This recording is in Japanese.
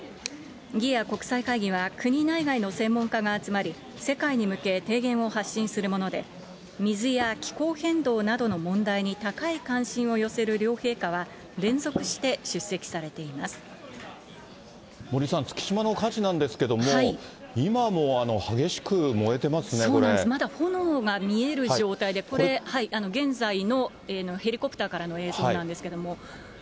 ギア国際会議は、国内外の専門家が集まり、世界に向け提言を発信するもので、水や気候変動などの問題に高い関心を寄せる両陛下は、連続して出森さん、月島の火事なんですけども、そうなんです、まだ炎が見える状態で、これ、現在のヘリコプターからの映像なんですけれども。